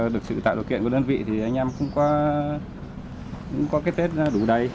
được sự tạo điều kiện của đơn vị thì anh em cũng có cái tết đủ đầy